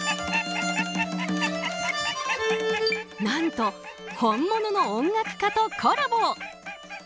何と本物の音楽家とコラボ！